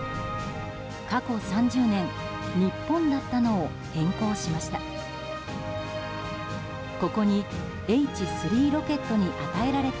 過去３０年「ＮＩＰＰＯＮ」だったのを変更しました。